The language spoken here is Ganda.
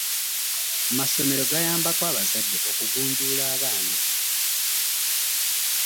Amasomero gayambako abazadde okugunjula abaana.